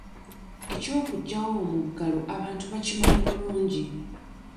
Eky'okugyawo omuggalo abantu bakimanyi bulungi.